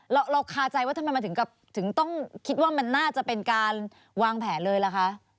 เราคาใจว่าทำไมมันถึงต้องคิดว่ามันน่าจะเป็นการวางแผนเลยล่ะคะ